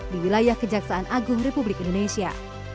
di wilayah kejaksaan agung republik indonesia